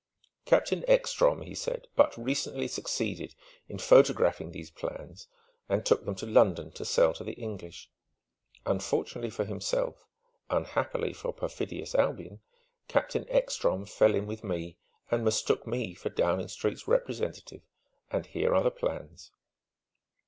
"Captain Ekstrom," he said, "but recently succeeded in photographing these plans and took them to London to sell to the English. Unfortunately for himself unhappily for perfidious Albion! Captain Ekstrom fell in with me and mistook me for Downing Street's representative. And here are the plans."